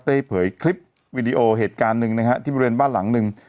ได้เผยคลิปวิดีโอเหตุการณ์หนึ่งนะฮะที่บริเวณบ้านหลังหนึ่ง